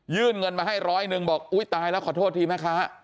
เงินมาให้ร้อยหนึ่งบอกอุ๊ยตายแล้วขอโทษทีแม่ค้า